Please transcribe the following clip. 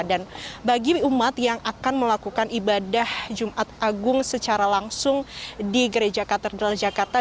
dan bagi umat yang akan melakukan ibadah jumat agung secara langsung di gereja katedral jakarta